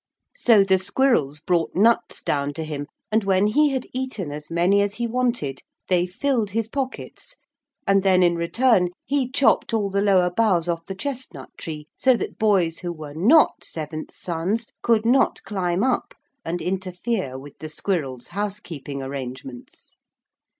So the squirrels brought nuts down to him, and when he had eaten as many as he wanted they filled his pockets, and then in return he chopped all the lower boughs off the chestnut tree, so that boys who were not seventh sons could not climb up and interfere with the squirrels' housekeeping arrangements.